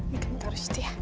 makan terus ya